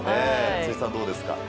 辻さん、どうですか？